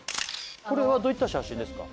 これはどういった写真ですか？